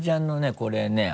これね